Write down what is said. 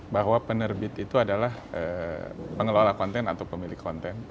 bahwa penerbit itu adalah pengelola konten atau pemilik konten